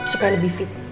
suka lebih fit